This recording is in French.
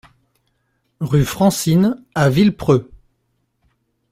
Rue Francine à Villepreux